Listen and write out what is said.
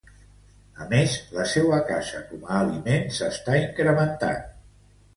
A més, la seua caça com a aliment s'està incrementant.